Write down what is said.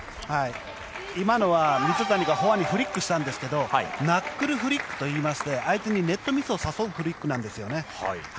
今のは水谷がフォアにフリックしたんですがナックルフリックといいまして相手にネットミスを誘うフリックなんですよね。